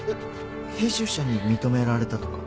編集者に認められたとか？